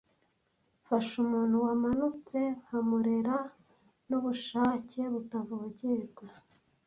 Mfashe umuntu wamanutse nkamurera nubushake butavogerwa,